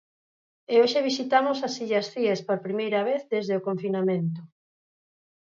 E hoxe visitamos as illas Cíes por primeira vez desde o confinamento.